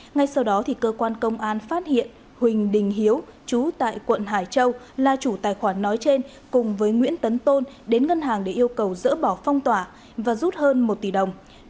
ngay sau đó cơ quan công an phát hiện huỳnh đình hiếu chú tại quận hải châu là chủ tài khoản nói trên cùng với nguyễn tấn tôn đến ngân hàng để yêu cầu dỡ bỏ phong tỏa và rút hơn một tỷ đồng